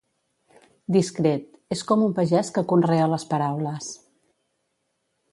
Discret, és com un pagès que conrea les paraules.